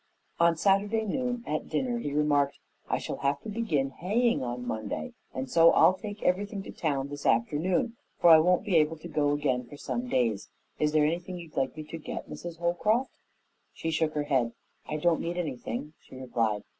On Saturday noon, at dinner, he remarked, "I shall have to begin haying on Monday and so I'll take everything to town this afternoon, for I won't be able to go again for some days. Is there anything you'd like me to get, Mrs. Holcroft?" She shook her head. "I don't need anything," she replied.